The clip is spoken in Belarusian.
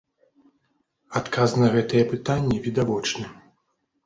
Адказ на гэтыя пытанні відавочны.